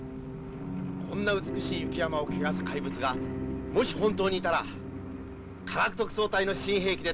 こんな美しい雪山を汚す怪物がもし本当にいたら科学特捜隊の新兵器でたちどころに退治してみせます。